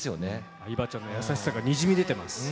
相葉ちゃんの優しさがにじみ出ています。